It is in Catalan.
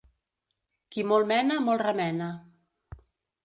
Qui molt mena, molt remena.